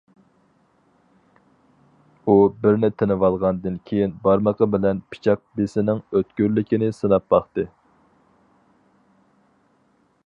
ئۇ بىرنى تىنىۋالغاندىن كېيىن بارمىقى بىلەن پىچاق بىسىنىڭ ئۆتكۈرلۈكىنى سىناپ باقتى.